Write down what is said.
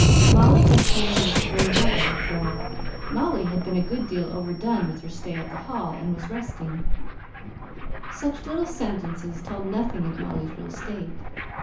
"Molly was feeling the spring weather;" or "Molly had been a good deal overdone with her stay at the Hall, and was resting;" such little sentences told nothing of Molly's real state.